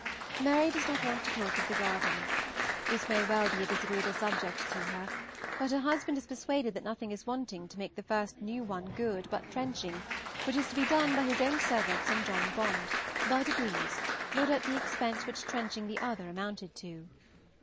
Mary does not talk of the garden; it may well be a disagreeable subject to her, but her husband is persuaded that nothing is wanting to make the first new one good but trenching, which is to be done by his own servants and John Bond, by degrees, not at the expense which trenching the other amounted to.